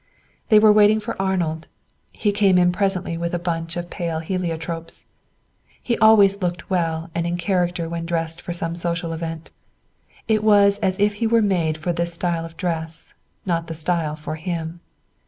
They were waiting for Arnold; he came in presently with a bunch of pale heliotropes. He always looked well and in character when dressed for some social event; it was as if he were made for this style of dress, not the style for him.